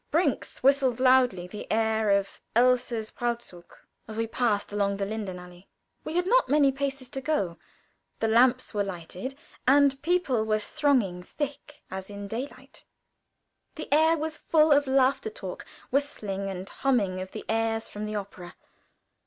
Brinks whistled loudly the air of Elsa's "Brautzug," as we paced across the Lindenallée. We had not many paces to go. The lamps were lighted, the people were thronging thick as in the daytime. The air was full of laughter, talk, whistling and humming of the airs from the opera.